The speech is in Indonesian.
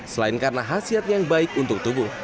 selain karena khasiat yang baik untuk tubuh